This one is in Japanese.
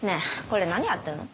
これ何やってんの？